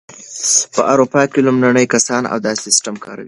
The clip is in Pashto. په اروپا کې لومړني کسان دا سیسټم کاروي.